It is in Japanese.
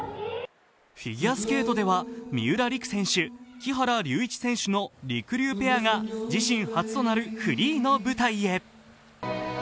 フィギュアスケートでは三浦璃来選手・木原龍一選手のりくりゅうペアが自身初となるフリーの舞台へ。